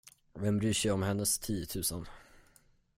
Vem bryr sig om hennes tiotusen?